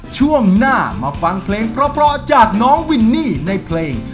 ช่วงหน้ามาฟังเพลงเพราะจากน้องวินนี่ในเพลง